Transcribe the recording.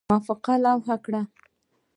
موافقه لغو کړي.